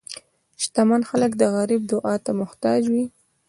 شتمن خلک د غریب دعا ته محتاج وي.